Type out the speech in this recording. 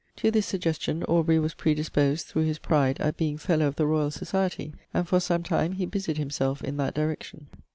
To this suggestion Aubrey was predisposed through his pride at being 'Fellow of the Royal Society,' and for some time he busied himself in that direction.